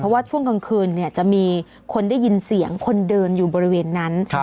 ว่าช่วงกลางคืนจะมีคนได้ยินเสียงคนเดินอยู่บริเวณนั้น